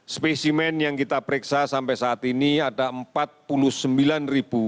spesimen yang kita periksa sampai saat ini ada empat puluh sembilan tujuh ratus enam puluh tujuh spesimen